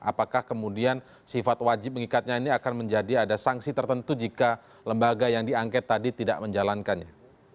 apakah kemudian sifat wajib mengikatnya ini akan menjadi ada sanksi tertentu jika lembaga yang diangket tadi tidak menjalankannya